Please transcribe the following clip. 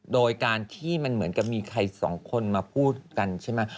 โดยการที่มันเหมือนกับมีใครสองคนมาพูดกันใช่ไหม